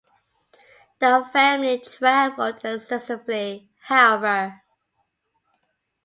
The family traveled extensively, however.